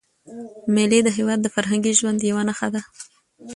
مېلې د هېواد د فرهنګي ژوند یوه نخښه ده.